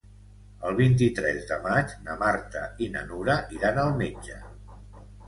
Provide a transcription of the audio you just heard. El vint-i-tres de maig na Marta i na Nura iran al metge.